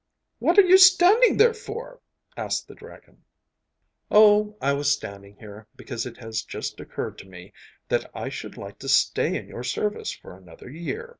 'What are you standing there for?' asked the dragon. 'Oh, I was standing here because it has just occurred to me that I should like to stay in your service for another year.